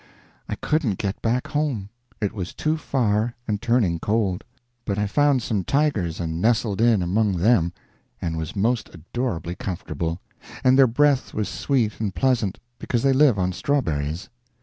I couldn't get back home; it was too far and turning cold; but I found some tigers and nestled in among them and was most adorably comfortable, and their breath was sweet and pleasant, because they live on strawberries.